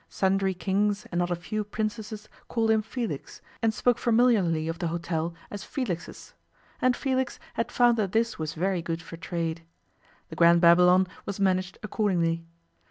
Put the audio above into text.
Sundry kings and not a few princesses called him Felix, and spoke familiarly of the hotel as 'Felix's'; and Felix had found that this was very good for trade. The Grand Babylon was managed accordingly.